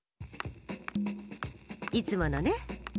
いつものね？